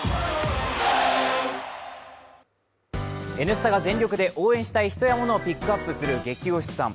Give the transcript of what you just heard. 「Ｎスタ」が全力で応援したい人やものをピックアップする「ゲキ推しさん」